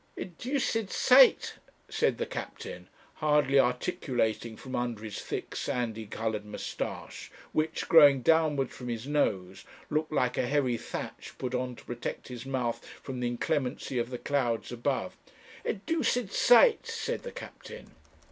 'A doosed sight,' said the captain, hardly articulating from under his thick, sandy coloured moustache, which, growing downwards from his nose, looked like a heavy thatch put on to protect his mouth from the inclemency of the clouds above. 'A doosed sight,' said the captain.